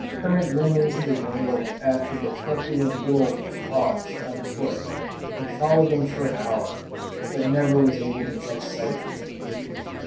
Kermit went into the jungle after the truculent little wild hogs on foot and followed them for an hour, but never was able to catch sight of them.